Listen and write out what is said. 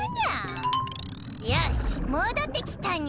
よしもどってきたにゃ。